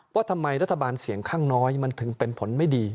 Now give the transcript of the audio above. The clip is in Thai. ว่าทำไมรัฐบาลเสียงข้างน้อยมันถึงเป็นผลไม่ดี